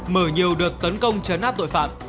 mở nhiều đợt tấn công chấn hát tội phạm